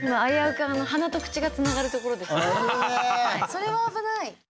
それは危ない。